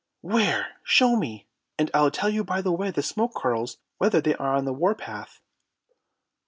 "Where? Show me, and I'll tell you by the way smoke curls whether they are on the war path."